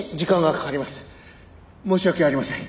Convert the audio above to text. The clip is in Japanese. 「申し訳ありません。